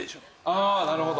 あなるほど。